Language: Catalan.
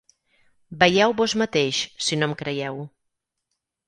Veieu vós mateix, si no em creieu.